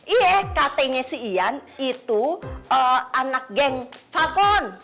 iya katanya si ian itu anak geng falkon